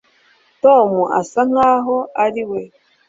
Tom asa nkaho ari we